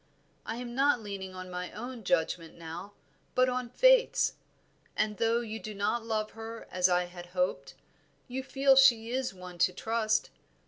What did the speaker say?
I am not leaning on my own judgment now, but on Faith's, and though you do not love her as I hoped, you feel she is one to trust.